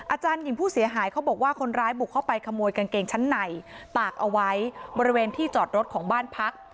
หญิงผู้เสียหายเขาบอกว่าคนร้ายบุกเข้าไปขโมยกางเกงชั้นในตากเอาไว้บริเวณที่จอดรถของบ้านพัก